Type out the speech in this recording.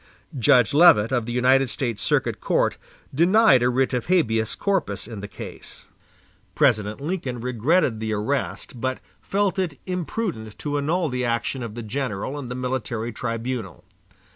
Judge Leavitt of the United States Circuit Court denied a writ of habeas corpus in the case. President Lincoln regretted the arrest, but felt it imprudent to annul the action of the general and the military tribunal.